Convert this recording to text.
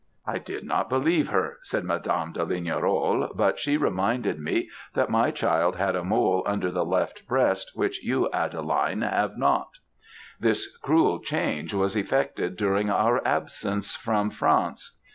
"'I did not believe her,' said Mdme. de Lignerolles, 'but she reminded me that my child had a mole under the left breast, which you, Adeline, have not. This cruel change was effected during our absence from France.